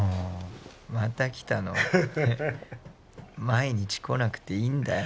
毎日来なくていいんだよ。